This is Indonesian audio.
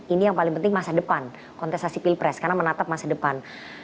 ini yang paling penting masa depan kontestasi pilpres karena menatap masa depan